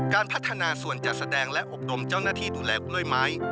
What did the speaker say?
การพัฒนาส่วนจัดแสดงและอบรมเจ้าหน้าที่ดูแลกล้วยไม้